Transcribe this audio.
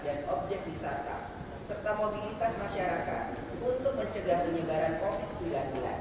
terutama di pusat perdagangan dan objek wisata serta mobilitas masyarakat untuk mencegah penyebaran covid sembilan belas